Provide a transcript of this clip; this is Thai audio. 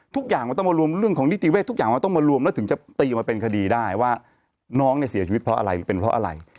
ทุกอย่างมันต้องมารวมเรื่องของนิติเวททุกอย่างมันต้องมารวมแล้วถึงจะตีมาเป็นคดีได้ว่าน้องเนี่ยเสียชีวิตเพราะอะไรเป็นเพราะอะไร